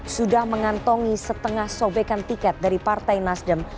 sudah mengantongi setengah sobekan tiket dari partai nasdem